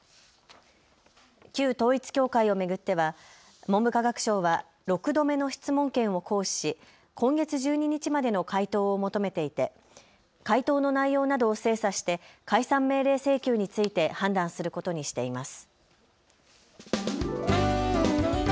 旧統一教会を巡っては文部科学省は６度目の質問権を行使し今月１２日までの回答を求めていて、回答の内容などを精査して解散命令請求について判断することにしています。